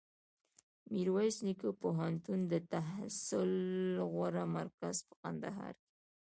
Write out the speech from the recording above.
میرویس نیکه پوهنتون دتحصل غوره مرکز په کندهار کي